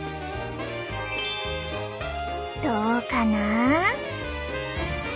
どうかな？